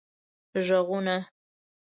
ږغونه